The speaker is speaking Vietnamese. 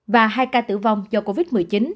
và hai ca tử vong do covid một mươi chín